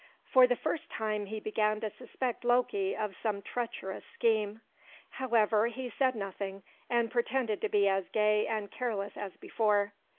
For the first time he began to suspect Loki of some treacherous scheme. However, he said nothing, and pretended to be as gay and careless as before.